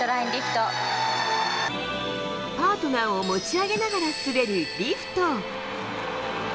パートナーを持ち上げながら滑るリフト。